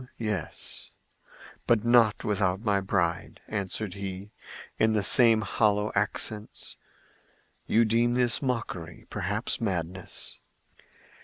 "Home—yes; but not without my bride," answered he, in the same hollow accents. "You deem this mockery—perhaps madness.